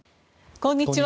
こんにちは。